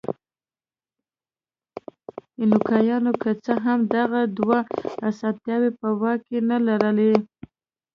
اینکایانو که څه هم دغه دوه اسانتیاوې په واک کې نه لرلې.